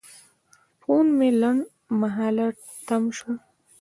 فون مې لنډمهاله تم شو.